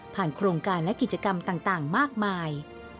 โครงการและกิจกรรมต่างมากมาย